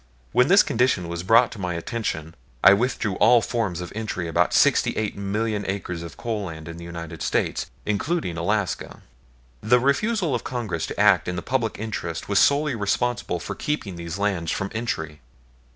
When this condition was brought to my attention I withdrew from all forms of entry about sixty eight million acres of coal land in the United States, including Alaska. The refusal of Congress to act in the public interest was solely responsible for keeping these lands from entry.